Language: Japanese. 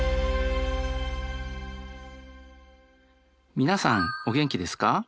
皆さんお元気ですか？